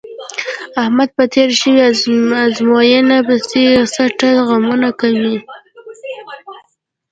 احمد په تېره شوې ازموینه پسې څټه غمونه کوي.